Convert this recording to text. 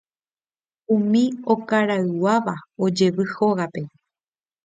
Umi okarayguáva ojevy hógape